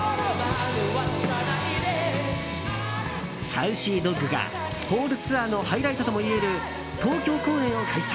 ＳａｕｃｙＤｏｇがホールツアーのハイライトともいえる東京公演を開催。